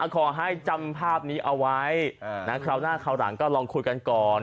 ขอให้จำภาพนี้เอาไว้คราวหน้าคราวหลังก็ลองคุยกันก่อน